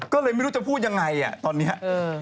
ก็เลยไม่รู้จะพูดยังไงตอนนี้